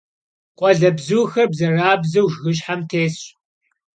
Къуалэбзухэр бзэрабзэу жыгыщхьэм тесщ.